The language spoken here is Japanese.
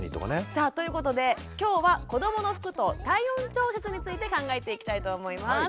さあということで今日は子どもの服と体温調節について考えていきたいと思います。